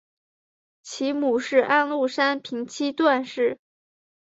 其母是安禄山平妻段氏。